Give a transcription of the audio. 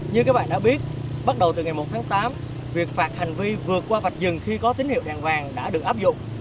như các bạn đã biết bắt đầu từ ngày một tháng tám việc phạt hành vi vượt qua vạch dừng khi có tín hiệu đèn vàng đã được áp dụng